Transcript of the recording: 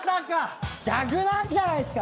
逆なんじゃないっすか？